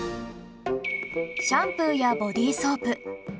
シャンプーやボディソープ